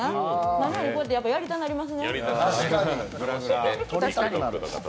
何より、こうやってやりたなりますね。